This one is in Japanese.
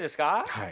はい。